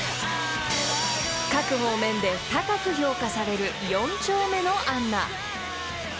［各方面で高く評価される四丁目のアンナ］